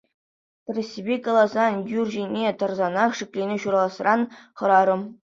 Тӗрӗссипе каласан, юр ҫине тӑрсанах шикленӳ ҫураласран хӑрарӑм.